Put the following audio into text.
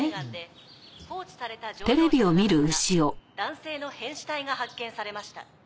「放置された乗用車の中から男性の変死体が発見されました」